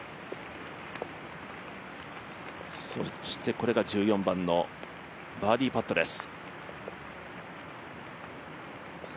これが１４番のバーディーパットです。